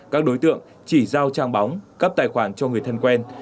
các đối tượng chỉ giao trang bóng cấp tài khoản cho người thân quen